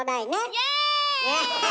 イエーイ！